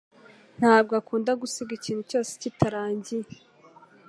Ntabwo akunda gusiga ikintu cyose kitarangiye